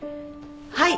はい！